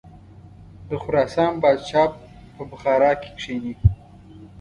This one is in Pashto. د خراسان پاچا په بخارا کې کښیني.